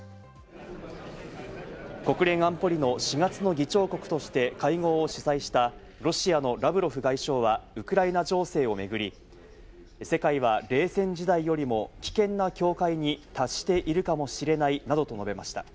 国連安保理の４月の議長国として会合を主催したロシアのラブロフ外相は、ウクライナ情勢をめぐり世界は冷戦時代よりも危険な境界に達しているかもしれないなどと述べました。